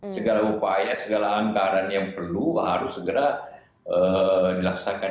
segala upaya segala anggaran yang perlu harus segera dilaksanakan